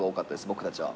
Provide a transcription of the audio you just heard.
僕たちは。